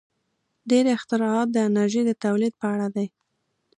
• ډېری اختراعات د انرژۍ د تولید په اړه دي.